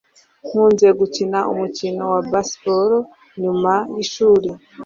Nkunze gukina umukino wa baseball nyuma yishuri